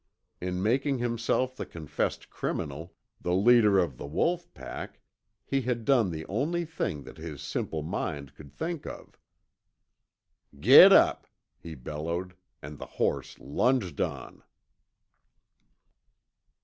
In making himself the confessed criminal, the leader of the wolf pack, he had done the only thing that his simple mind could think of. "Git up," he bellowed, and the horse lunged on.